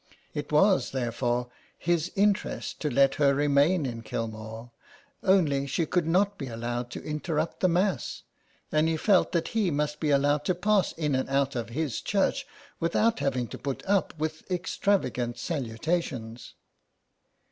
It was, therefore, his interest to let her remain in Kilmore, only she could not be allowed to interrupt the Mass, and he felt that he must be 112 SOME PARISHIONERS. allowed to pass in and out of his church without having to put up with extravagant salutations.